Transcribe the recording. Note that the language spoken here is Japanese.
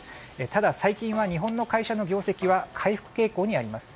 ただ、最近は日本の会社の業績は回復傾向にあります。